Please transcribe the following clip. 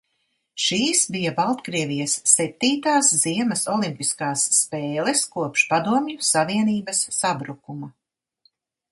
Šīs bija Baltkrievijas septītās ziemas olimpiskās spēles kopš Padomju Savienības sabrukuma.